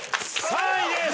３位です！